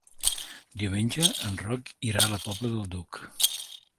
Diumenge en Roc irà a la Pobla del Duc.